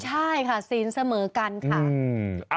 ใช่ค่ะศีลเสมอกันค่ะ